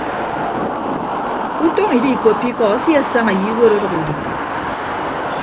Utọñ idiikoppo ikọ asiesaña ye iwuot ọdʌk udi.